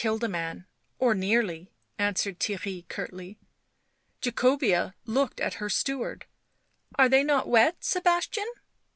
I killed a man — or nearly," answered Theirry curtly. Jaeobea looked at her steward. " Are they not wet, Sebastian